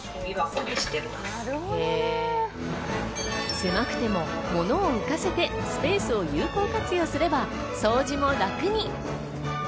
狭くても物を浮かせてスペースを有効活用すれば、掃除も楽に。